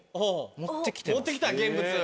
持って来た現物。